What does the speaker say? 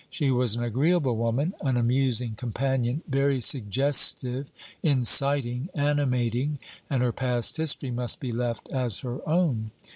She was an agreeable woman, an amusing companion, very suggestive, inciting, animating; and her past history must be left as her own.